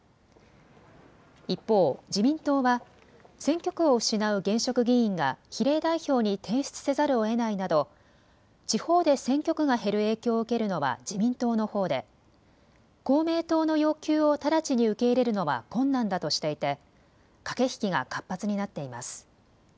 一方、自民党は選挙区を失う現職議員が比例代表に転出せざるをえないなど地方で選挙区が減る影響を受けるのは自民党のほうで公明党の要求を直ちに受け入れるのは困難だとしていて駆け引きが活発になっています。